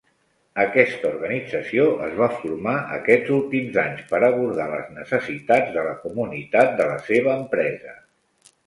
Aquesta organització es va formar aquests últims anys per abordar les necessitats de la comunitat de la seva empresa.